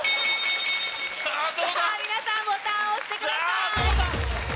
皆さんボタンを押してください。